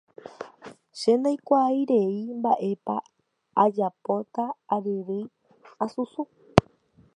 che ndaikuaairei mba'épa ajapóta aryrýi asusũ